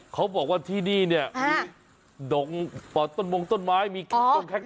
เขาบอกว่าที่นี่เนี่ยโดงป่อต้นมงต้นไม้มีตรงแค็กตัส